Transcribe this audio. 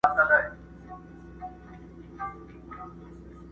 سمدستي د خپل کهاله پر لور روان سو،